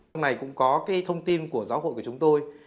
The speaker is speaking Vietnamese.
hôm nay cũng có cái thông tin của giáo hội của chúng tôi